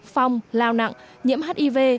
phong lao nặng nhiễm hiv